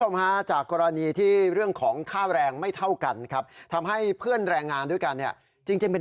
ก็มาจากกรณีที่เรื่องของค่าแรงไม่เท่ากันครับทำให้เพื่อนแรงงานด้วยกันเนี่ย